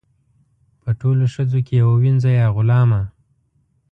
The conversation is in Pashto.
په ټولو ښځو کې یوه وینځه یا غلامه.